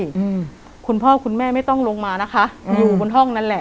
อืมคุณพ่อคุณแม่ไม่ต้องลงมานะคะอยู่บนห้องนั่นแหละ